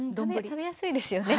食べやすいですよね。